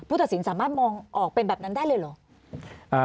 ตัดสินสามารถมองออกเป็นแบบนั้นได้เลยเหรอ